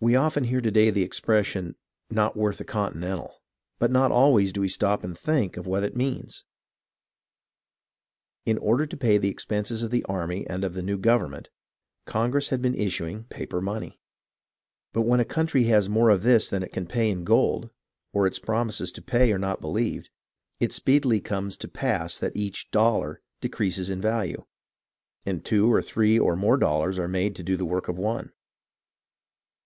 We often hear to day the expression, " Not worth a continental," but not always do we stop to think of what it means. In order to pay the expenses of the army and of the new government, Congress had been issuing "paper money "; but when a country has more of this than it can pay in gold, or its promises to pay are not believed, it speedily comes to pass that each "dollar" decreases in value, and two or three or more dollars are made to do the work of one.